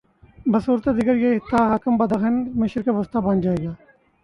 بصورت دیگریہ خطہ خاکم بدہن، مشرق وسطی بن جا ئے گا۔